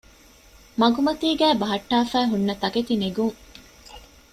މަގުމަތީގައި ބަހައްޓާފައި ހުންނަ ތަކެތިނެގުން